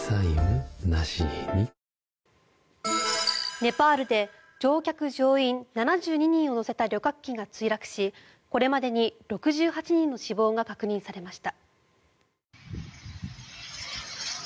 ネパールで乗客・乗員７２人を乗せた旅客機が墜落しこれまでに６８人の死亡が確認されました。